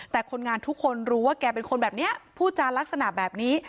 แต่คนงานทุกคนรู้ว่าแกเป็นคนแบบนี้พูดจานลักษณะแบบนี้